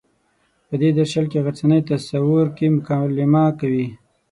په دې درشل کې غرڅنۍ تصور کې مکالمه کوي.